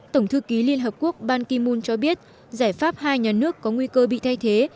tổng thư ký liên hợp quốc ban kim mun cho biết giải pháp hai nhà nước có nguy cơ bị thay thế